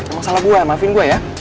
emang salah gue maafin gue ya